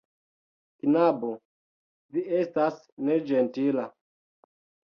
Knabo, vi estas neĝentila.